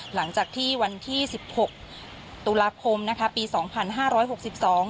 หลังจากที่วันที่สิบหกตุลาคมนะคะปีสองพันห้าร้อยหกสิบสอง